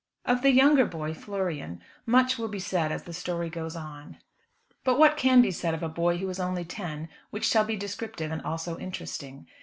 Of the younger boy, Florian, much will be said as the story goes on; but what can be said of a boy who is only ten which shall be descriptive and also interesting?